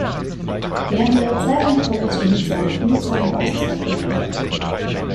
Während ihrer Zeit am College erhielt sie eine Vielzahl an Auszeichnungen.